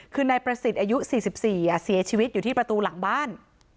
คือนายประสิทธิ์อายุ๔๔เสียชีวิตอยู่ที่ประตูหลังบ้าน